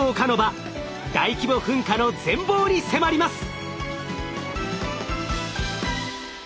大規模噴火の全貌に迫ります！